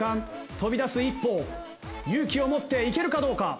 飛び出す一歩を勇気を持っていけるかどうか。